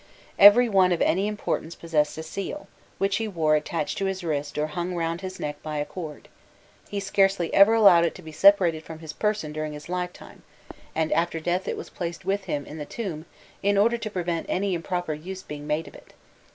Every one of any importance possessed a seal, which he wore attached to his wrist or hung round his neck by a cord; he scarcely ever allowed it to be separated from his person during his lifetime, and after death it was placed with him in the tomb in order to prevent any improper use being made of it.